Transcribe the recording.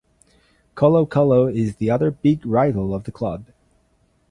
Colo-Colo is the other big rival of the club.